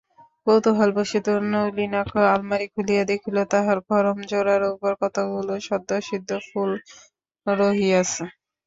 কৌতূহলবশত নলিনাক্ষ আলমারি খুলিয়া দেখিল, তাহার খড়ম-জোড়ার উপর কতকগুলি সদ্যসিক্ত ফুল রহিয়াছে।